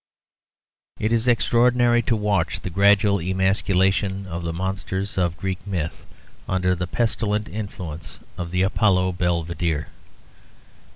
It is extraordinary to watch the gradual emasculation of the monsters of Greek myth under the pestilent influence of the Apollo Belvedere.